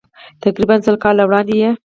تقریباً سل کاله وړاندې یې.